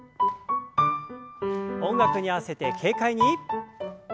音楽に合わせて軽快に。